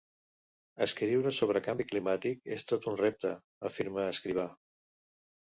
Escriure sobre canvi climàtic és tot un repte –afirma Escrivà–.